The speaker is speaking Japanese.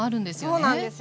そうなんですよ。